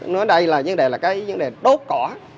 nói đây là vấn đề đốt cỏ